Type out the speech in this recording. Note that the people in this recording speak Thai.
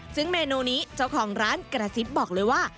ซึ่งเมนูนี้เจ้าของร้านกระซิบบอกเลยว่า